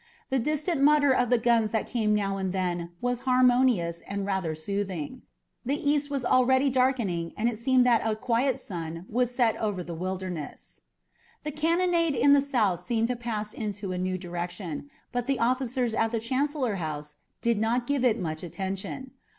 The distant mutter of the guns that came now and then was harmonious and rather soothing. The east was already darkening and it seemed that a quiet sun would set over the Wilderness. The cannonade in the south seemed to pass into a new direction, but the officers at the Chancellor House did not give it much attention.